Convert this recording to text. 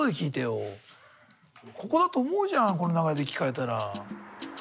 ここだと思うじゃんこの流れで聞かれたら。